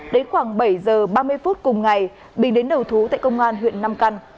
đến khoảng bảy giờ ba mươi phút cùng ngày bình đến đầu thú tại công an huyện nam căn